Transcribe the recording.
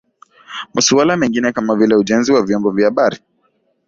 Masuala mengine kama vile ujenzi wa vyombo vya baharini